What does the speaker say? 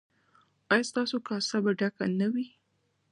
ایا ستاسو کاسه به ډکه نه وي؟